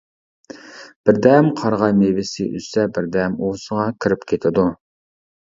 بىردەم قارىغاي مېۋىسى ئۈزسە، بىردەم ئۇۋىسىغا كىرىپ كېتىدۇ.